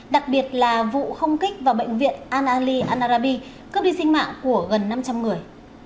đặc biệt là vụ không kích vào bệnh viện al ali anarabi cướp đi sinh mạng của gần năm trăm linh người